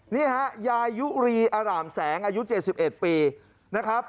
นี่ฮะยายยุรีอร่ามแสงอายุ๗๑ปีนะครับ